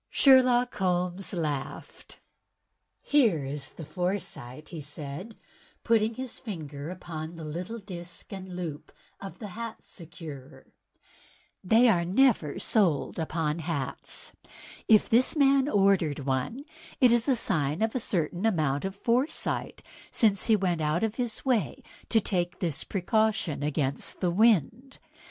Sherlock Holmes laughed. "Here is the foresight," said he, putting his finger upon the little disk and loop of the hat securer. "They are never sold upon hats. If this man ordered one, it is a Il6 THE TECHNIQUE OF THE MYSTERY STORY sign of a certain amount of foresight, since he went out of his way to take this precaution against the wind.